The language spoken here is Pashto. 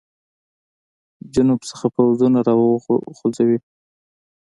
جنوب څخه پوځونه را وخوځوي.